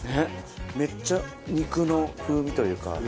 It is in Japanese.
めっちゃ肉の風味というか。